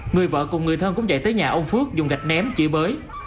người vợ cùng người thân cũng chạy tới nhà ông phước dùng gạch ném chửi bới